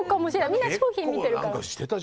みんな商品見てるから。